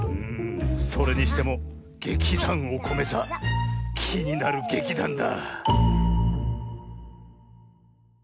それにしても劇団おこめ座きになる劇団だ。